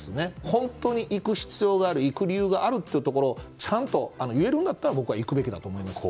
本当に行く必要がある行く理由があるというところをちゃんと言えるんだったら僕は行くべきだと思います。